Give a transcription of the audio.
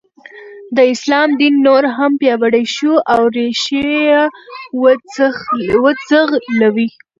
د اسلام دین نور هم پیاوړی شو او ریښې یې وځغلولې.